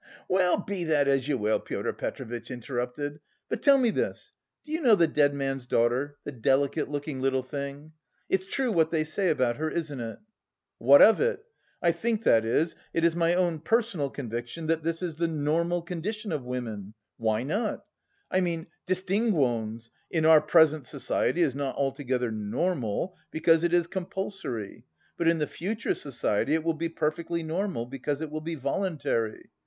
Well, be that as you will," Pyotr Petrovitch interrupted, "but tell me this; do you know the dead man's daughter, the delicate looking little thing? It's true what they say about her, isn't it?" "What of it? I think, that is, it is my own personal conviction that this is the normal condition of women. Why not? I mean, distinguons. In our present society it is not altogether normal, because it is compulsory, but in the future society it will be perfectly normal, because it will be voluntary.